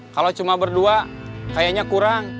kalau cuma berdua kayaknya kurang